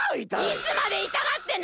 いつまでいたがってんの！